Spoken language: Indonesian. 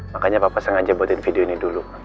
makanya papa sengaja buatin video ini dulu